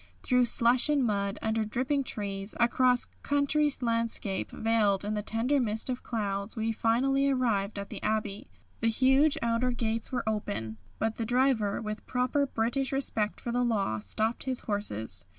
Through slush and mud, under dripping trees, across country landscapes veiled in the tender mist of clouds, we finally arrived at the Abbey. The huge outer gates were open, but the driver, with proper British respect for the law, stopped his horses.